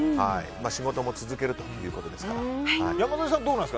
仕事も続けるということですから。